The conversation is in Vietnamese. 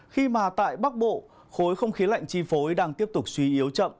khi mà tại bắc bộ khối không khí lạnh chi phối đang tiếp tục suy yếu chậm